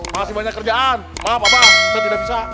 masih banyak kerjaan maaf abah bisa tidak bisa